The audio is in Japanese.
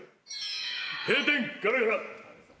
閉店ガラガラ。